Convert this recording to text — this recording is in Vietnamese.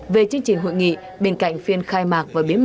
về chương trình hội nghị bên cạnh phiên khai mạc